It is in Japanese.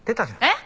えっ？